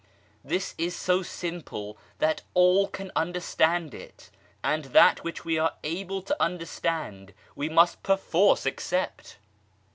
This is so simple that all can understand it, and that which we are able to understand we must perforce accept.